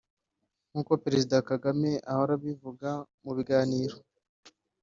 nk’uko Perezida Paul Kagame ahora abivuga mu biganiro